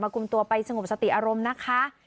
กลุ่มตัวไปสงบสติอารมณ์นะคะ